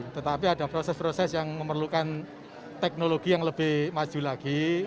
tetapi ada proses proses yang memerlukan teknologi yang lebih maju lagi